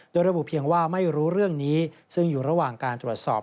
โดยระบุเพียงว่าไม่รู้เรื่องนี้ซึ่งอยู่ระหว่างการตรวจสอบ